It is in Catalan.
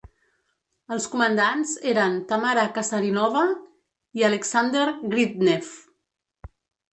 Els comandants eren Tamara Kazarinova i Aleksandr Gridnev.